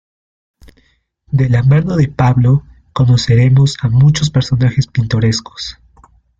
De la mano de Pablo, conoceremos a muchos personajes pintorescos.